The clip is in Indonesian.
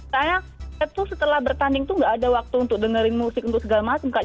saya tuh setelah bertanding tuh gak ada waktu untuk dengerin musik untuk segala macam kan